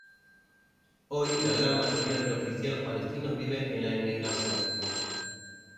Hoy, la gran mayoría de los cristianos palestinos vive en la emigración.